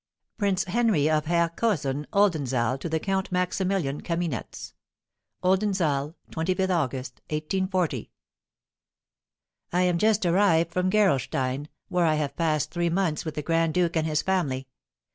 Prince Henry of Herkaüsen Oldenzaal to the Count Maximilian Kaminetz. OLDENZAAL, 25th August, 1840. I am just arrived from Gerolstein, where I have passed three months with the grand duke and his family.